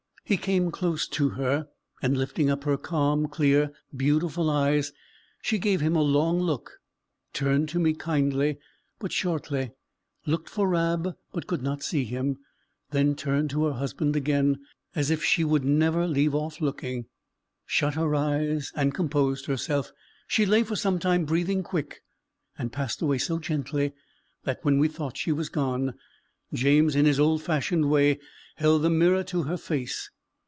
He came close to her, and lifting up her calm, clear, beautiful eyes, she gave him a long look, turned to me kindly but shortly, looked for Rab but could not see him, then turned to her husband again, as if she would never leave off looking, shut her eyes, and composed herself. She lay for some time breathing quick, and passed away so gently, that when we thought she was gone, James, in his old fashioned way, held the mirror to her face.